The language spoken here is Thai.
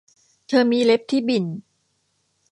เธอมีเล็บที่บิ่น